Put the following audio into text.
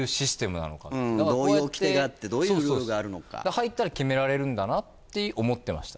入ったら決められるんだなって思ってました